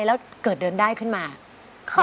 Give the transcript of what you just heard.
แล้วเกิดเดินได้ขึ้นมา